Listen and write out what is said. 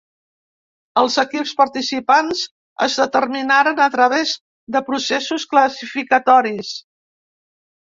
Els equips participants es determinaren a través de processos classificatoris.